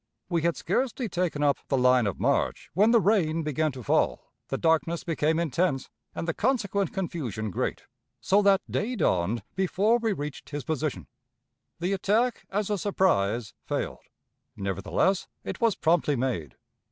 We had scarcely taken up the line of march, when the rain began to fall, the darkness became intense, and the consequent confusion great, so that day dawned before we reached his position. The attack, as a surprise, failed: nevertheless, it was promptly made.